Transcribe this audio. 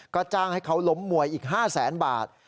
ก็จ้างให้เขาล้มมวยอีก๕แสนบาท